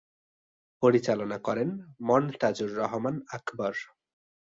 পরিচালনা করেন মনতাজুর রহমান আকবর।